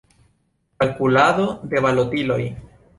Kalkulado de balotiloj.